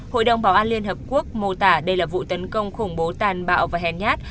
hội đồng bảo an liên hợp quốc mô tả đây là vụ tấn công khủng bố tàn bạo và hèn nhát